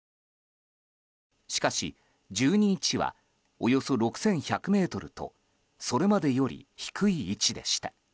しかし、１２日はおよそ６１００ｍとそれまでより低い位置でした。